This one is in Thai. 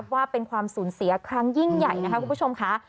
ว่าเป็นความสูญเสียครั้งยิ่งใหญ่นะคะคุณผู้ชมค่ะ